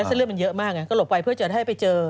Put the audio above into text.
เส้นเลือดมันเยอะมากไงก็หลบไปเพื่อจะได้ไปเจอ